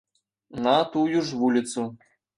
На тую ж вуліцу.